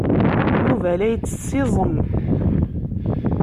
Yuba la ittess iẓem.